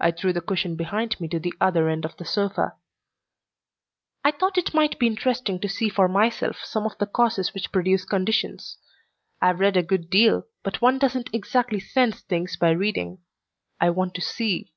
I threw the cushion behind me to the other end of the sofa. "I thought it might be interesting to see for myself some of the causes which produce conditions. I've read a good deal, but one doesn't exactly sense things by reading. I want to see."